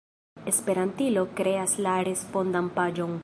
Esperantilo kreas la respondan paĝon.